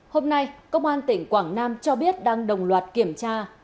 hôm nay công an tỉnh quảng nam cho biết đang đồng loạt kiểm tra